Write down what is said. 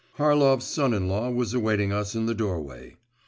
Harlov's son in law was awaiting us in the doorway.